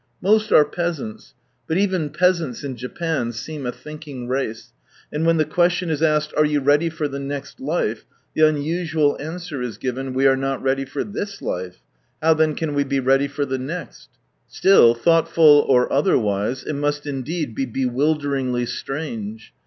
Most are peasants, but even peasants in Japan seem a thinking race, and when the ques tion is asked, " Are you ready for the next life ?" the unusual answer is given, " We are not ready for this life, how then can we be ready for the next ?" Still, thought ful or otherwise, it must indeed be bewilderingly strange.